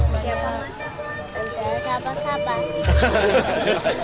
banyak apa mas